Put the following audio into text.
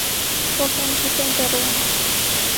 โปรแกรมชุดเบญจรงค์